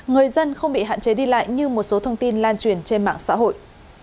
người dân không bị hạn chế đi lại như một số thông tin lan truyền trên mạng xã hội